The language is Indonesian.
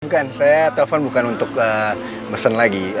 bukan saya telepon bukan untuk mesen lagi